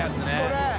これ。